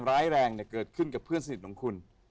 ร้ายแรงเกิดขึ้นกับเพื่อนสนิทของคุณ